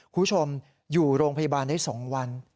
คุณผู้ชมอยู่โรงพยาบาลได้๒วัน